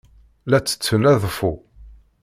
La ttetten aḍeffu.